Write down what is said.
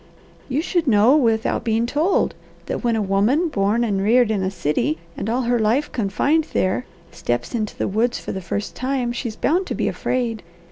"You should know without being told that when a woman born and reared in a city, and all her life confined there, steps into the woods for the first time, she's bound to be afraid.